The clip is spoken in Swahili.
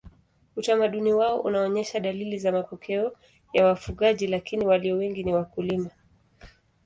Utamaduni wao unaonyesha dalili za mapokeo ya wafugaji lakini walio wengi ni wakulima.